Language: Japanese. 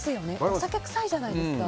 お酒臭いじゃないですか。